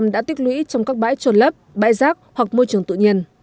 năm mươi năm đã tiết lũy trong các bãi trộn lấp bãi rác hoặc môi trường tự nhiên